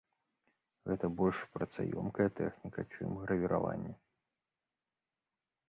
Гэта больш працаёмкая тэхніка, чым гравіраванне.